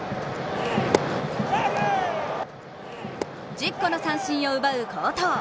１０個の三振を奪う好投。